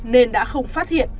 nên đã không phát hiện